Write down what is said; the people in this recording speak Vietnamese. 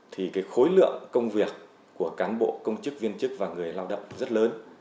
thì cái khối lượng công việc của cán bộ công chức viên chức và người lao động rất lớn